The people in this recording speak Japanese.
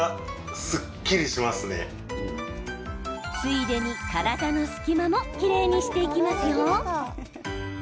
ついでに、体の隙間もきれいにしていきますよ。